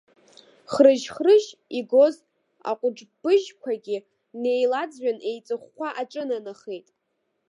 Хрыжьхрыжь игоз аҟыгәбыжьқәагьы неилаӡҩан еиҵыхәхәа аҿынанахеит.